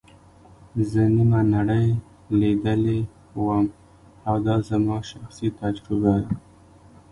زه نیمه نړۍ لیدلې وم او دا زما شخصي تجربه ده.